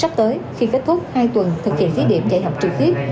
sắp tới khi kết thúc hai tuần thực hiện thí điểm dạy học trực tiếp